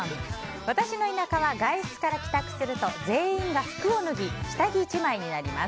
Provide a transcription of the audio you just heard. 私の田舎は外出から帰宅すると全員が服を脱ぎ下着１枚になります。